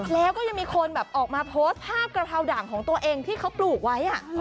แล้วก็ยังมีคนแบบออกมาโพสต์ภาพกระเพราด่างของตัวเองที่เขาปลูกไว้